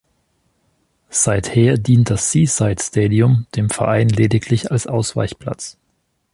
Seither dient das Seaside Stadium dem Verein lediglich als Ausweichplatz.